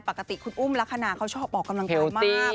ปกติคุณอุ้มลักษณะเขาชอบออกกำลังกายมาก